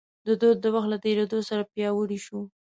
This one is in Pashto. دا دود د وخت له تېرېدو سره پیاوړی شو.